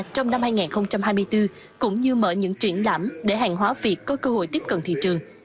trong năm hai nghìn hai mươi bốn cũng như mở những triển lãm để hàng hóa việt có cơ hội tiếp cận thị trường